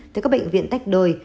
tới các bệnh viện tách đôi